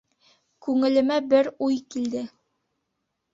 Күңелемә бер уй килде.